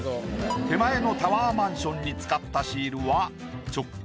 手前のタワーマンションに使ったシールは。